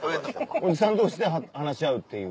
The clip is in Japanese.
おじさん同士で話し合うっていう。